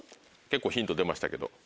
結構ヒント出ましたけど。